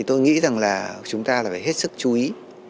tôi nghĩ chúng ta phải hết sức chú ý